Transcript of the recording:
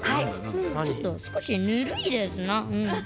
ちょっと少しぬるいですな。